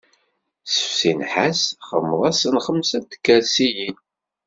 Sefsi nnḥas txedmeḍ-asent xemsa n tkersiyin.